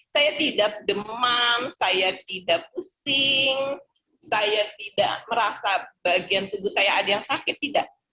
saya tidak demam saya tidak pusing saya tidak merasa bagian tubuh saya ada yang sakit tidak